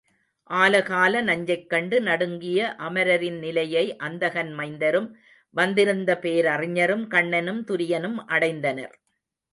ஆலகால நஞ்சைக்கண்டு நடுங்கிய அமரரின் நிலையை அந்தகன் மைந்தரும் வந்திருந்த பேரறிஞரும், கண்ணனும் துரியனும் அடைந்தனர்.